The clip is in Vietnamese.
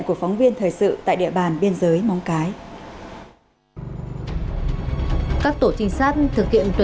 cắn xé hoặc là